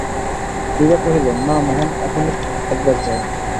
বিভা কহিল, না মোহন, এখনই একবার যাই।